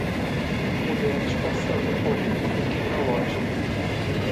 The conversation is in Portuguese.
Mulheres passando por uma pequena loja.